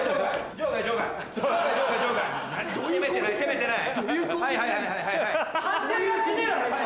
場外場外攻めてない攻めてない。